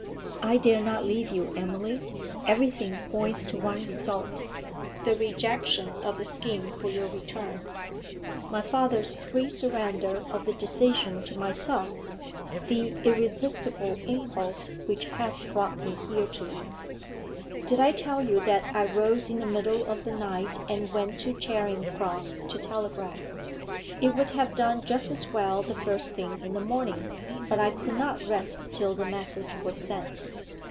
I dare not leave you, Emily; everything points to one result the rejection of the scheme for your return, my father's free surrender of the decision to myself, the irresistible impulse which has brought me here to you. Did I tell you that I rose in the middle of the night and went to Charing Cross to telegraph? It would have done just as well the first thing in the morning, but I could not rest till the message was sent.